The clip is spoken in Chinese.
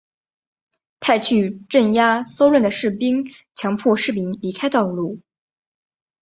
派去镇压骚乱的士兵强迫市民离开道路。